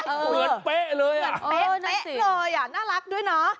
หนืนปะเลยอ่ะใช่เลยอ่ะน่ารักด้วยเนาะ